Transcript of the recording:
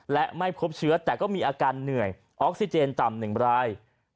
และไม่พบเชื้อแต่ก็มีอาการเหนื่อยออกซิเจนต่ำ๑ราย